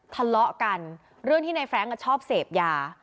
ทะเลาะกันเรื่องที่ในแฟรงค์ชอบเสพยา